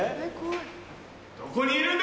どこにいるんだ！